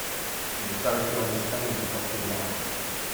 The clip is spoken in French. Il est arrêté en Espagne et déporté au Maroc.